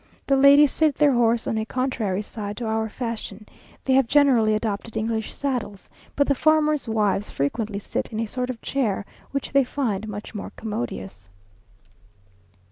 The ladies sit their horse on a contrary side to our fashion. They have generally adopted English saddles, but the farmers' wives frequently sit in a sort of chair, which they find much more commodious.